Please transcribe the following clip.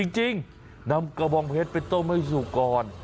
จริงนำกระบองเพชรไปต้มให้สุกก่อน